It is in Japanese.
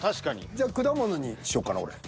じゃ果物にしよっかな俺。